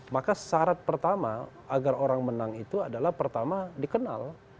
maka syarat pertama agar orang menang itu adalah pertama dikenal